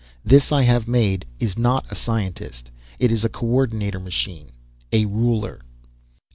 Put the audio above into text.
"This, I have made, is not a scientist. It is a coordinator machine a ruler."